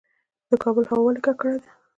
د کابل هوا ولې ککړه ده؟